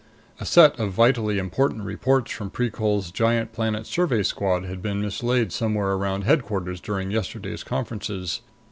A set of vitally important reports from Precol's Giant Planet Survey Squad had been mislaid somewhere around Headquarters during yesterday's conferences.